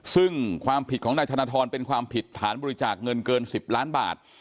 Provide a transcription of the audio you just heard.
ซึ่งความผิดของนายธนทรเป็นความผิดฐานบริจาคเงินเกิน๑๐ล้านบาท